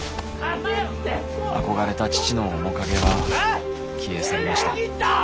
あこがれた父の面影は消え去りました。